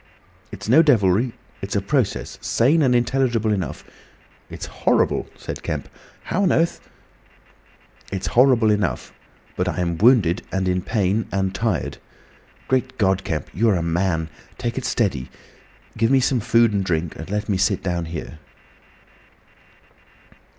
"It's no devilry. It's a process, sane and intelligible enough—" "It's horrible!" said Kemp. "How on earth—?" "It's horrible enough. But I'm wounded and in pain, and tired ... Great God! Kemp, you are a man. Take it steady. Give me some food and drink, and let me sit down here."